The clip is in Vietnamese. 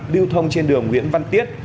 điêu thông trên đường nguyễn văn tiết